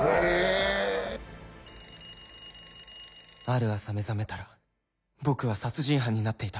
「ある朝目覚めたら僕は殺人犯になっていた」